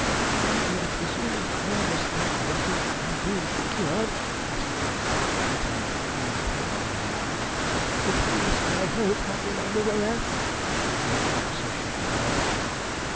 "I presume this murderous young ruffian has been secured?" asked the clergyman, who had turned even paler than his wife. "The police, I hope, have him under arrest." The young officer shook his head.